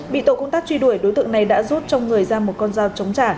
bị tổ công tác truy đuổi đối tượng này đã rút trong người ra một con dao chống trả